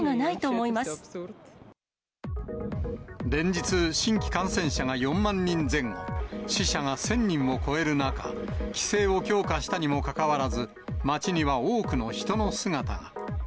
連日、新規感染者が４万人前後、死者が１０００人を超える中、規制を強化したにもかかわらず、街には多くの人の姿が。